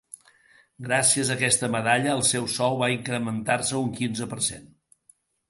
Gràcies a aquesta medalla, el seu sou va incrementar-se un quinze per cent.